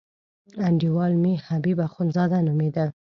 انډیوال مې حبیب اخندزاده نومېده.